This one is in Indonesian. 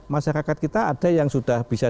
masyarakat kita ada yang sudah bisa